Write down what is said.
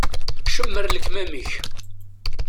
Cemmer lekmam-ik.